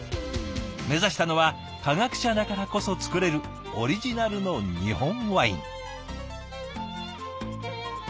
目指したのは科学者だからこそ造れるオリジナルの日本ワイン。